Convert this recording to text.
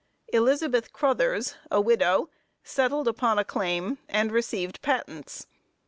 Elizabeth Cruthers, a widow, settled upon a claim, and received patents.